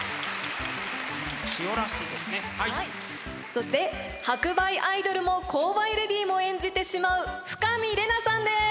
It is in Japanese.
そして白梅アイドルも紅梅レディーも演じてしまう深見玲奈さんです！